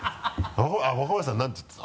若林さん何て言ってた？